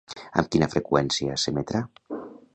Amb quina freqüència s'emetrà?